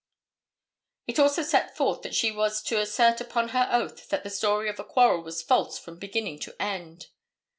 It also set forth that she was to assert upon her oath that the story of a quarrel was false from beginning to end.